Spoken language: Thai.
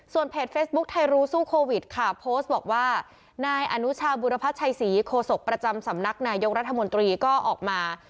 เพจเฟซบุ๊คไทยรูสู้โควิดค่ะโพสต์บอกว่านายอนุชาบุรพัชชัยศรีโคศกประจำสำนักนายกรัฐมนตรีก็ออกมา